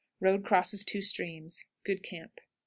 Road crosses two streams. Good camp.